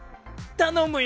頼むよ！